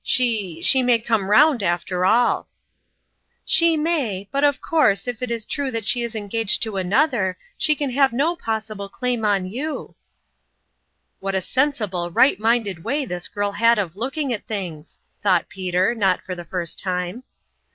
She she may come round after all !"" She may but of course, if it is true that she is engaged to another, she can have no possible claim on you" What a sensible right minded way this girl had of looking at things ! thought Peter, not for the first time.